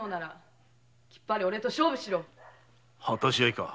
果たし合いか。